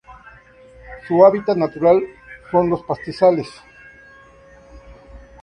Su hábitat natural son los pastizales.